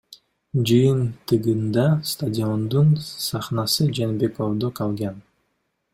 Жыйынтыгында стадиондун сахнасы Жээнбековдо калган.